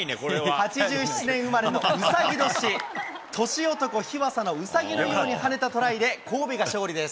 ８７年生まれのうさぎ年、年男、日和佐のうさぎのように跳ねたトライで、神戸が勝利です。